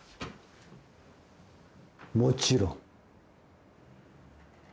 もちろん。